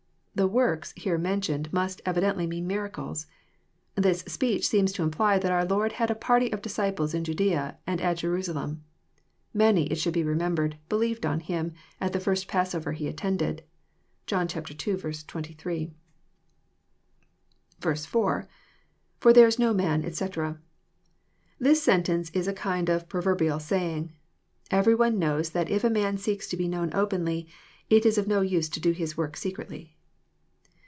The *' works " here mentioned must evidently mean miracles. This speech seems to imply that our Lord had a party of disciples in Judsea and at Jerusalem. Many, it should be remembered, '* believed on Him" at the first passover he attended. (John ii. 23.) 4. — [For there is no man, etc] This sentence is a kind of prover bial saying. Every one knows that if a man seeks to be known openly, it is no use to do his work secretly.